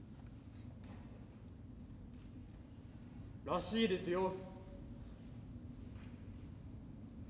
らしいですよ。